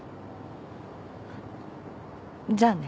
じゃあね。